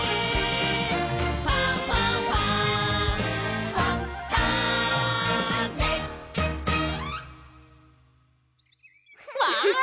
「ファンファンファン」わお！